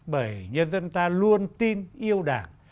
bởi nhân dân ta luôn tin yêu đảng